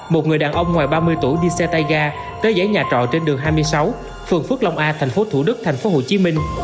một người đàn ông ngoài ba mươi tuổi đi xe tay ga tới giấy nhà trọ trên đường hai mươi sáu phường phước long a tp thủ đức tp hcm